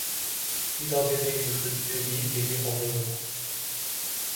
Биз ал жердеги бүркүттү бийик жерге кондурдук.